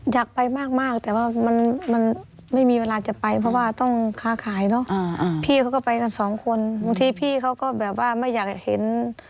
อยากไปมากแต่ว่ามันไม่มีเวลาจะไปเพราะว่าต้องค้าขายเนอะพี่เขาก็ไปกันสองคนบางทีพี่เขาก็แบบว่าไม่อยากเห็น